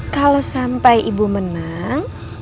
kalau sampai ibu menang